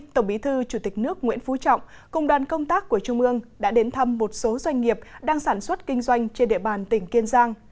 tổng bí thư chủ tịch nước nguyễn phú trọng cùng đoàn công tác của trung ương đã đến thăm một số doanh nghiệp đang sản xuất kinh doanh trên địa bàn tỉnh kiên giang